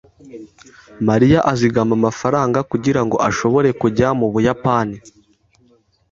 Mariya azigama amafaranga kugirango ashobore kujya mu Buyapani.